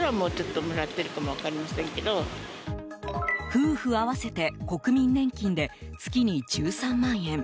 夫婦合わせて国民年金で月に１３万円。